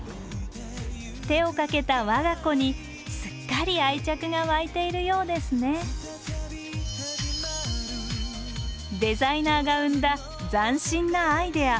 手をかけた我が子にすっかり愛着が湧いているようですねデザイナーが生んだ斬新なアイデア。